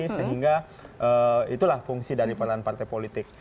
sehingga itulah fungsi dari peran partai politik